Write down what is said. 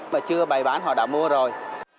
mà chưa bày bán họ đã mua rồi